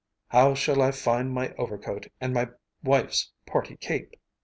"How shall I find my overcoat and my wife's party cape?"